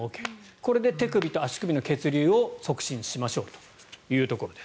これで手首と足首の血流を促進しましょうということです。